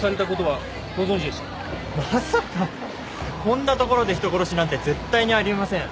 こんな所で人殺しなんて絶対にあり得ません。